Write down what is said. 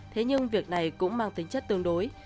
thế nhưng việc này cũng mang tính chất tương đối